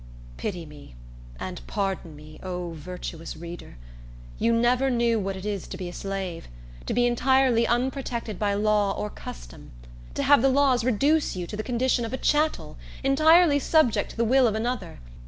Pity me, and pardon me, O virtuous reader! You never knew what it is to be a slave; to be entirely unprotected by law or custom; to have the laws reduce you to the condition of a chattel, entirely subject to the will of another.